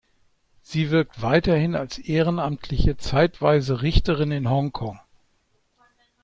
Sie wirkt weiterhin als ehrenamtliche, zeitweise Richterin in Hongkong.